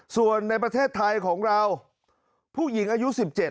ส่วนในประเทศไทยของเราผู้หญิงอายุ๑๗